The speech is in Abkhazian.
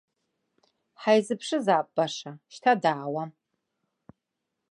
Ҳаизыԥшызаап баша, шьҭа даауам.